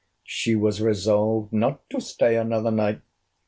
] she was resolved not to stay another night.